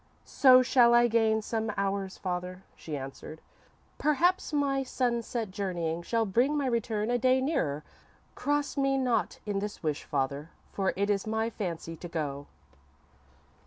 "_ _"So shall I gain some hours, father," she answered. "Perhaps my sunset journeying shall bring my return a day nearer. Cross me not in this wish, father, for it is my fancy to go."